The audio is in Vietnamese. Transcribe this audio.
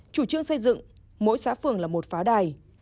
chủ trương xây dựng mỗi xã phường là một phá đài